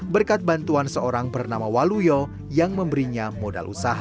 berkat bantuan seorang bernama waluyo yang memberinya modal usaha